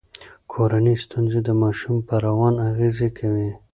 کورنۍ ستونزې د ماشوم په روان اغیز کوي.